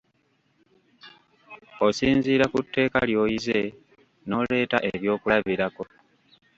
Osinziira ku tteeka ly'oyize n'oleeta ebyokulabirako.